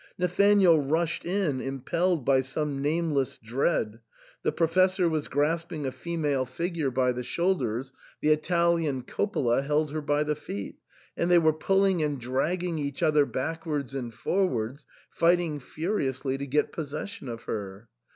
Na thanael rushed in, impelled by some nameless dread. The Professor was grasping a female figure by the THE SAND'MAN. 209 shoulders, the Italian Coppola held her by the feet ; and they were pulling and dragging each other back wards and forwards, fighting furiously to get possession of her.